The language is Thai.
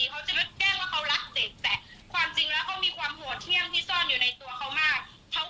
เขาจะนึกแกล้งว่าเขารักเด็กแต่ความจริงแล้วเขามีความโหดเที่ยมที่ซ่อนอยู่ในตัวเขามากเขา